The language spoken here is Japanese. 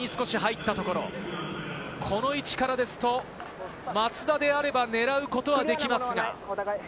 敵陣に少し入ったところ、この位置からですと、松田であれば狙うことはできますが。